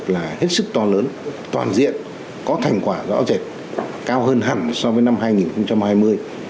là hết sức to lớn toàn diện có thành quả rõ rệt cao hơn hẳn so với năm hai nghìn hai mươi